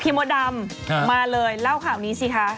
พี่โมดัมมาเลยเล่าข่าวนี้สิคะ